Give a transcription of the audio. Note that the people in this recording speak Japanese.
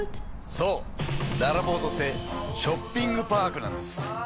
そうららぽーとってショッピングパークなんです。